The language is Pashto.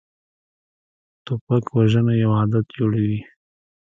توپک وژنه یو عادت جوړوي.